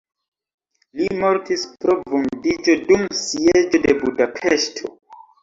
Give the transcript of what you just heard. Li mortis pro vundiĝo dum sieĝo de Budapeŝto.